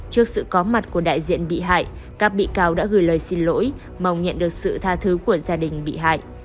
trước sự có mặt của đại diện bị hại các bị cáo đã gửi lời xin lỗi mong nhận được sự tha thứ của gia đình bị hại